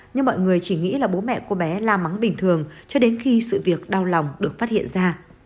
nhưng mọi người chỉ nghĩ là bố mẹ cô bé la mắng bình thường cho đến khi sự việc đau lòng được phát hiện ra